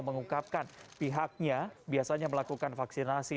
mengungkapkan pihaknya biasanya melakukan vaksinasi